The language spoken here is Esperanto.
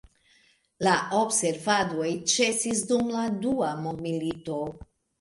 La observadoj ĉesis dum la dua mondmilito.